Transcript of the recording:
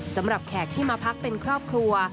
แขกที่มาพักเป็นครอบครัว